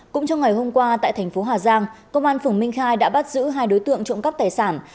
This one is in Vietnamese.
cũng trong ngày hôm qua tại thành phố hà giang công an phường minh khai đã bắt giữ hai đối tượng trộm cắp tài sản